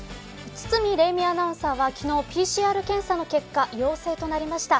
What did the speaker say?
堤礼実アナウンサーは昨日、ＰＣＲ検査の結果陽性となりました。